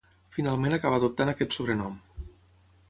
Finalment acabà adoptant aquest sobrenom.